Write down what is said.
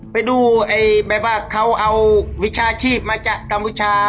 ไปดูเขาเอาวิชาชีพมาจากกัมพุชา